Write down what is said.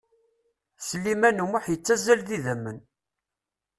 Sliman U Muḥ yettazzal d idamen.